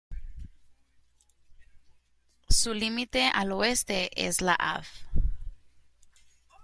Su límite al oeste es la Av.